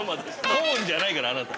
コーンじゃないから、あなた。